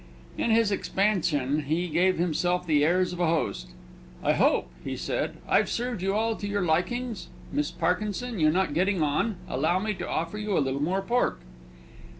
In his expansion, he gave himself the airs of a host. "I hope," he said, "I've served you all to your likings? Miss Parkinson, you're not getting on; allow me to offer you a little more pork."